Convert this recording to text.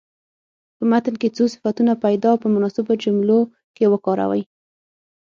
په متن کې څو صفتونه پیدا او په مناسبو جملو کې وکاروئ.